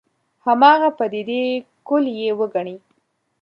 هماغه پدیدې کُل یې وګڼي.